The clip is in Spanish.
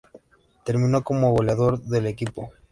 Terminó como goleador del equipo.